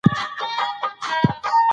ژبپوهنه هغه علم او پوهه ده